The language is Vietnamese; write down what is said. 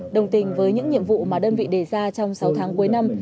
đồng tình với những nhiệm vụ mà đơn vị đề ra trong sáu tháng cuối năm